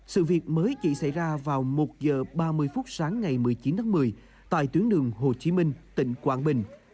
sự việc mới chỉ xảy ra vào một h ba mươi phút sáng ngày một mươi chín tháng một mươi tại tuyến đường hồ chí minh tỉnh quảng bình